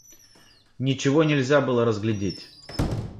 Ничего нельзя было разглядеть.